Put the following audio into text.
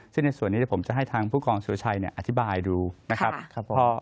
ซึ่งในส่วนนี้ผมจะให้ทางผู้กองศูชัยเนี่ยอธิบายดูนะครับครับ